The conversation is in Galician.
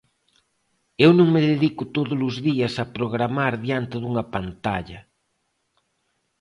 Eu non me dedico todos os días a programar diante dunha pantalla.